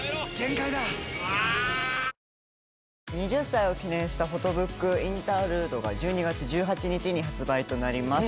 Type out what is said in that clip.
２０歳を記念したフォトブック、インタールードが１２月１８日に発売となります。